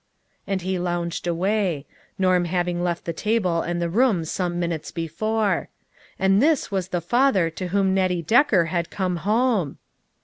And he lounged away ; Norm having left the THE TRUTH IS TOLD. 59 table and the room some minutes before. And this was the father to whom Nettie Decker had come home